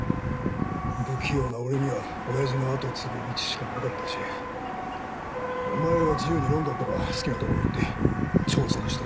不器用な俺には親父のあとを継ぐ道しかなかったしお前は自由にロンドンとか好きな所行って挑戦して。